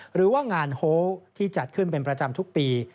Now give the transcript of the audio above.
หรือว่างานโฮล์ที่จัดขึ้นเป็นประจำทุกปี